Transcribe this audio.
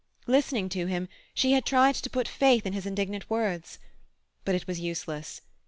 Listening to him, she had tried to put faith in his indignant words. But it was useless.